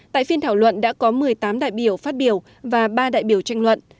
tại phiên thảo luận đã có một mươi tám đại biểu phát biểu và ba đại biểu tranh luận